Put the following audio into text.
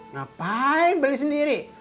ngapain beli sendiri